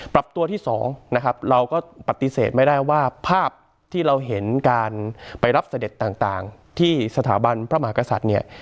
ปรับตัวที่๒นะครับเราก็ปฏิเสธไม่ได้ว่าภาพที่เราเห็นการไปรับเสด็จต่างที่สถาบันพระมหากษัตริย์เนี่ย